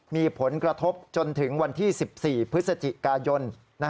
มีผลกระทบจนถึงวันที่๑๔พฤศจิกายน